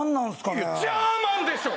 いやジャーマンでしょ！